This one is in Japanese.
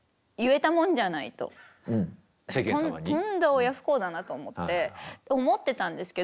とんだ親不孝だなと思ってと思ってたんですけど